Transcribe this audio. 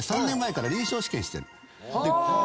３年前から臨床試験してる。